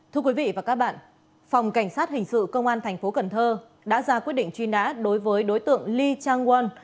thưa quý vị và các bạn phòng cảnh sát hình sự công an thành phố cần thơ đã ra quyết định truy nã đối với đối tượng ly trang wan